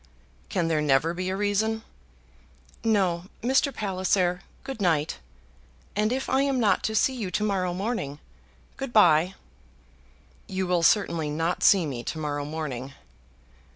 "Can there never be a reason?" "No, Mr. Palliser. Good night; and if I am not to see you to morrow morning, good bye." "You will certainly not see me to morrow morning."